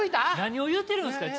何を言うてるんですか。